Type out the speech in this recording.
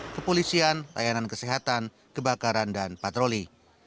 kepolisian layanan kesehatan kebakaran dan patroli